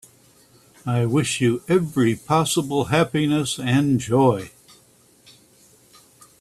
I wish you every possible happiness and joy.